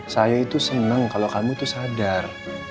saya itu senang kalau kamu itu sadar